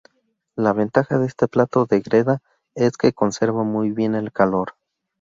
La ventaja de este plato de greda es que conserva muy bien el calor.